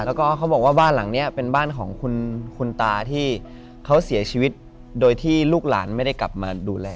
แล้วก็เขาบอกว่าบ้านหลังนี้เป็นบ้านของคุณตาที่เขาเสียชีวิตโดยที่ลูกหลานไม่ได้กลับมาดูแล